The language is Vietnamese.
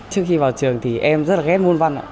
trước khi vào trường thì em rất là ght môn văn ạ